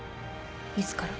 いつから？